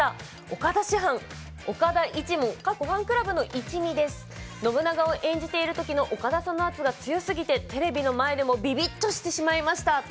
岡田師範、岡田一門の一味ですが信長を演じてる時の岡田さんの圧が強すぎてテレビの前でもびびっとしてしまいましたと。